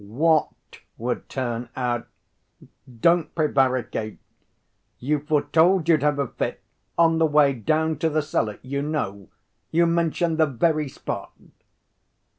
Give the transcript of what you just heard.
"What would turn out? Don't prevaricate! You've foretold you'd have a fit; on the way down to the cellar, you know. You mentioned the very spot."